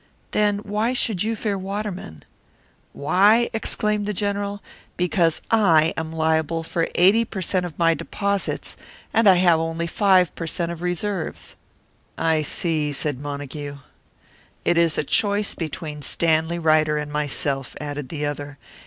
"Then why should you fear Waterman?" "Why?" exclaimed the General. "Because I am liable for eighty per cent of my deposits, and I have only five per cent of reserves." "I see!" said Montague. "It is a choice between Stanley Ryder and myself," added the other.